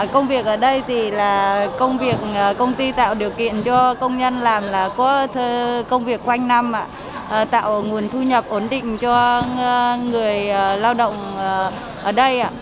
công việc ở đây thì là công việc công ty tạo điều kiện cho công nhân làm là có công việc quanh năm tạo nguồn thu nhập ổn định cho người lao động ở đây